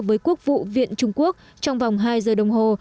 với quốc vụ viện trung quốc trong vòng hai giờ đồng hồ